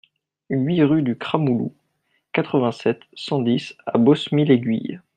huit rue du Cramouloux, quatre-vingt-sept, cent dix à Bosmie-l'Aiguille